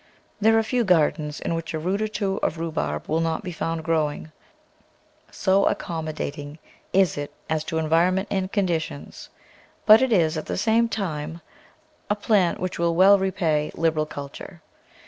There are few gardens in which a root or two of rhubarb will not be found growing, so accommodating is it as to environ ment and conditions, but it is, at the same time, a plant which will well repay liberal culture.